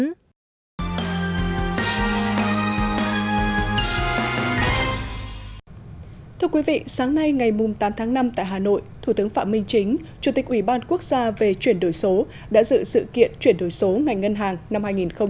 thưa quý vị sáng nay ngày tám tháng năm tại hà nội thủ tướng phạm minh chính chủ tịch ủy ban quốc gia về chuyển đổi số đã dự sự kiện chuyển đổi số ngành ngân hàng năm hai nghìn hai mươi